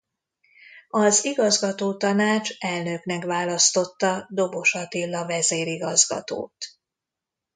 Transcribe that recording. Az Igazgatótanács elnöknek választotta Dobos Attila vezérigazgatót